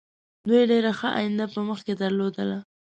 دوی ډېره ښه آینده په مخکې درلودله.